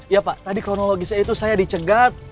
iya pak tadi kronologinya itu saya dicegat